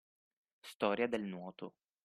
Storia del nuoto.